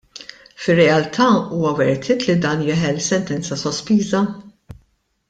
Fir-realtà huwa worth it li dan jeħel sentenza sospiża?